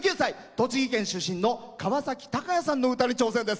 栃木出身の川崎鷹也さんの歌に挑戦です。